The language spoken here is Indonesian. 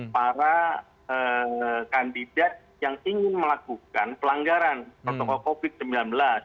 para kandidat yang ingin melakukan pelanggaran protokol covid sembilan belas